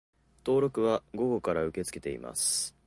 登録は午後から受け付けています